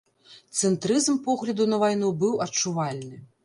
Цэнтрызм погляду на вайну быў адчувальны.